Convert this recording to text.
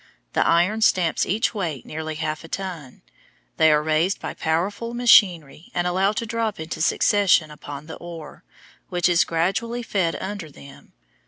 The iron stamps each weigh nearly half a ton. They are raised by powerful machinery and allowed to drop in succession upon the ore, which is gradually fed under them.